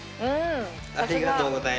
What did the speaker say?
ありがとうございます。